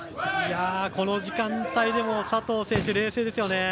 この時間帯でも、佐藤選手冷静ですよね。